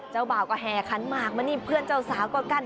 เจ้าบ่าก็แห่คันมากมานี่เพื่อนเจ้าสาวกว่ากัน